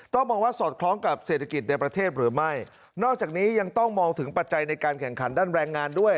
มองว่าสอดคล้องกับเศรษฐกิจในประเทศหรือไม่นอกจากนี้ยังต้องมองถึงปัจจัยในการแข่งขันด้านแรงงานด้วย